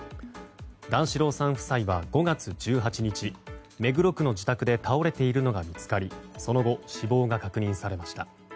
段四郎さん夫妻は５月１８日、目黒区の自宅で倒れているのが見つかりその後、死亡が確認されました。